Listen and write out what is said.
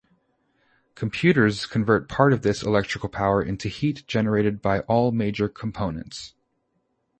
Computers convert part of this electrical power into heat generated by all major components.